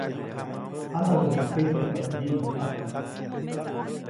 Janawäʼuŋnaʼajk ketnyajpa teʼ wyiʼnokpaktaʼm.